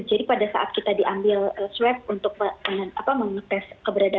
jadi pada saat kita diambil swab untuk mengetes keberadaan